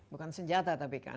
bukan senjata tapi kan